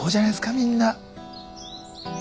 みんな。